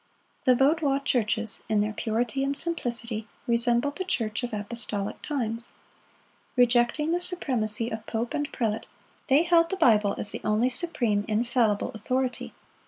The Vaudois churches, in their purity and simplicity, resembled the church of apostolic times. Rejecting the supremacy of pope and prelate, they held the Bible as the only supreme, infallible authority.